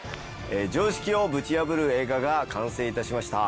常識をぶち破る映画が完成致しました。